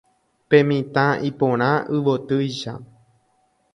Pe mitã iporã yvotýicha.